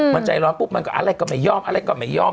มันใจร้อนปุ๊บมันก็อะไรก็ไม่ยอมอะไรก็ไม่ยอม